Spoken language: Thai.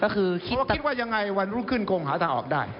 ก็คือคิดว่ายังไงวันรุ่งขึ้นคงหาทางออกได้